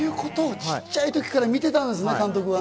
小さい時から見てたんですね、監督は。